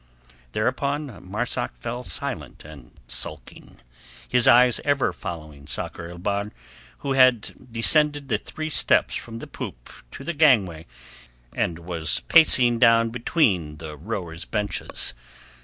Thereupon Marzak fell silent and sulking, his eyes ever following Sakr el Bahr, who had descended the three steps from the poop to the gangway and was pacing slowly down between the rowers' benches.